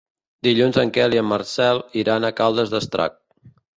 Dilluns en Quel i en Manel iran a Caldes d'Estrac.